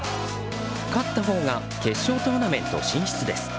勝ったほうが決勝トーナメント進出です。